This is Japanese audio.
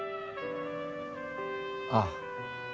ああ。